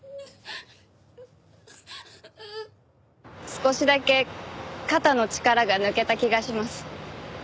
少しだけ肩の力が抜けた気がします。